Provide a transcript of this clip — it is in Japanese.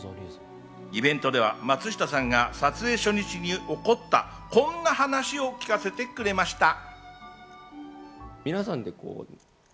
イベントでは松下さんが撮影初日に起こった、こんな話を聞かせてくれました。